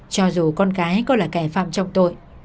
cho dù con cái có là kẻ phạm trọng tội